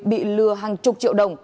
bị lừa hàng chục triệu đồng